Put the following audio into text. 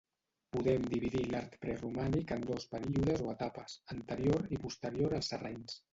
Podem dividir l'art preromànic en dos períodes o etapes: anterior i posterior als sarraïns.